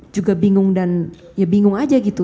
juga bingung dan ya bingung aja gitu